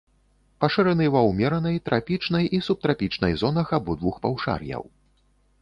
Пашыраны ва ўмеранай, трапічнай і субтрапічнай зонах абодвух паўшар'яў.